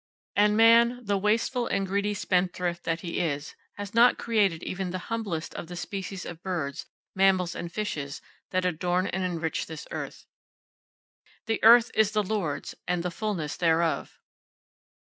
And man, the wasteful and greedy spendthrift that he is, has not created even the humblest of the species of birds, mammals and fishes that adorn and enrich this earth. "The earth is THE LORD'S, and the fulness thereof!"